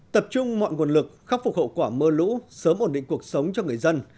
tập trung mọi nguồn lực khắc phục hậu quả mưa lũ sớm ổn định cuộc sống cho người dân